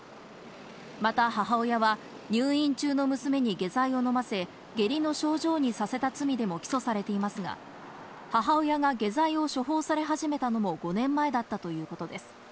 また母親は入院中の娘に下剤を飲ませ、下痢の症状にさせた罪でも起訴されていますが、母親が下剤を処方され始めたのも５年前だったということです。